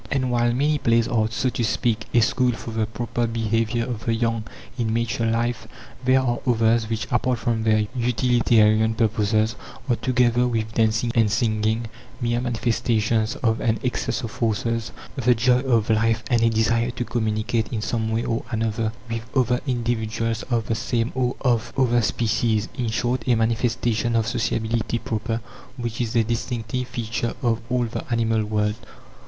And while many plays are, so to speak, a school for the proper behaviour of the young in mature life, there are others, which, apart from their utilitarian purposes, are, together with dancing and singing, mere manifestations of an excess of forces "the joy of life," and a desire to communicate in some way or another with other individuals of the same or of other species in short, a manifestation of sociability proper, which is a distinctive feature of all the animal world.